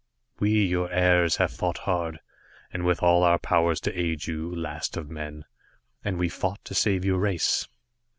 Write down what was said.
"We, your heirs, have fought hard, and with all our powers to aid you, Last of Men, and we fought to save your race.